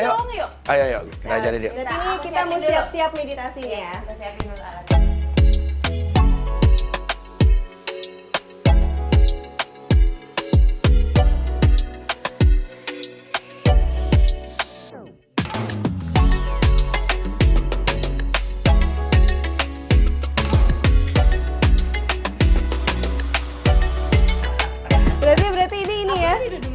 ya boleh ayo ayo kita mau siap siap meditasi ya berarti ini ya